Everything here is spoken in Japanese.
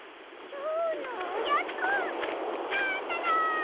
きょうのおやつなんだろ？